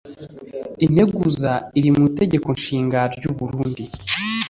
Integuza iri mu itegekonshiga ry’u Burundi